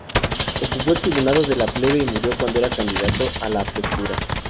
Ocupó el tribunado de la plebe y murió cuando era candidato a la pretura.